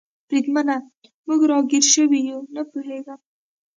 بریدمنه، موږ را ګیر شوي یو؟ نه پوهېږم.